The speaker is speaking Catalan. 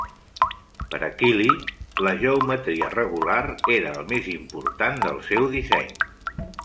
Per a Kiley, la geometria regular era el més important del seu disseny.